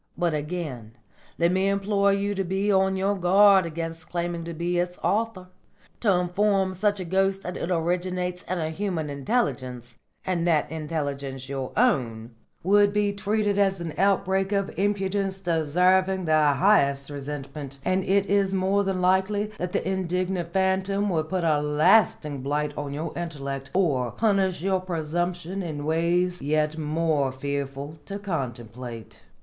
But again let me implore you to be on your guard against claiming to be its author. To inform such a ghost that it originates in a human intelligence, and that intelligence your own, would be treated as an outbreak of impudence deserving the highest resentment, and it is more than likely that the indignant phantom would put a lasting blight on your intellect or punish your presumption in ways yet more fearful to contemplate."